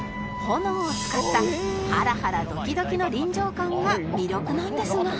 炎を使ったハラハラドキドキの臨場感が魅力なんですが